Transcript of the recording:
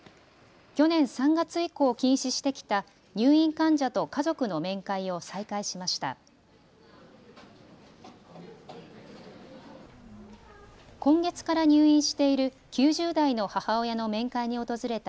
去年３月以降、禁止してきた入院患者と家族の面会を再開しました。